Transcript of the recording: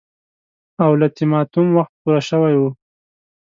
اولتیماتوم وخت پوره شوی وو.